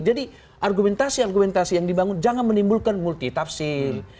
jadi argumentasi argumentasi yang dibangun jangan menimbulkan multitapsir